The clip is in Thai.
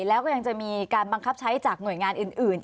แล้วก็ยังจะมีการบังคับใช้จากหน่วยงานอื่นอย่างนี้นะคะ